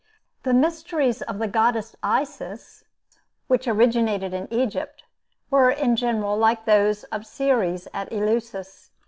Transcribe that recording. The mysteries of the goddess Isis, which originated in Egypt, were, in general, like those of Ceres at Eleusis.